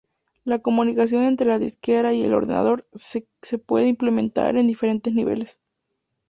La comunicación entre la disquetera y el ordenador se puede implementar en diferentes niveles.